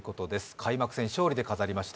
開幕戦勝利で飾りました。